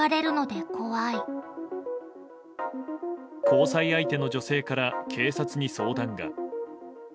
交際相手の女性から警察に相談が。